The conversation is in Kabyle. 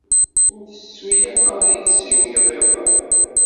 Ur tettu ara ad iyi-d-siwleḍ iḍ-a.